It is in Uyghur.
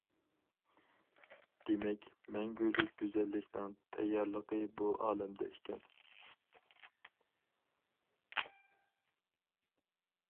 دېمەك مەڭگۈلۈك گۈزەللىكنىڭ تەييارلىقى بۇ ئالەمدە ئىكەن.